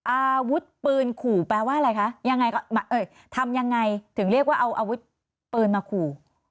อาวุธปืนขู่แปลว่าอะไรคะยังไงทำยังไงถึงเรียกว่าเอาอาวุธปืนมาขู่